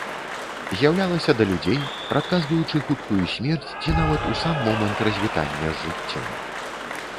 З'яўлялася да людзей, прадказваючы хуткую смерць, ці нават у сам момант развітання з жыццём.